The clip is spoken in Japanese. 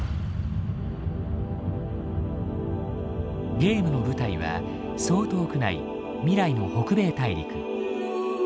ゲームの舞台はそう遠くない未来の北米大陸。